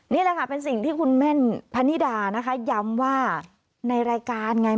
นี่แหละค่ะเป็นสิ่งที่คุณแม่นพนิดานะคะย้ำว่าในรายการไง